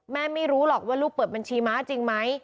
ไม่รู้หรอกว่าลูกเปิดบัญชีม้าจริงไหม